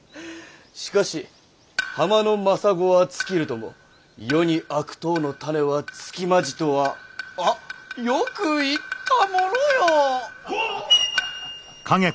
しかし「浜の真砂は尽きるとも世に悪党の種は尽きまじ」とはあっよく言ったものよ！